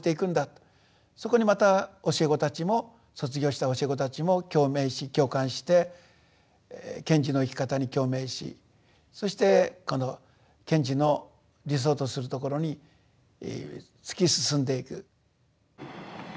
そこにまた教え子たちも卒業した教え子たちも共鳴し共感して賢治の生き方に共鳴しそしてこの賢治の理想とするところに突き進んでいく。